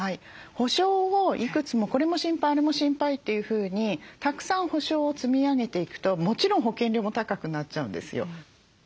保障をいくつもこれも心配あれも心配というふうにたくさん保障を積み上げていくともちろん保険料も高くなっちゃうんですよ。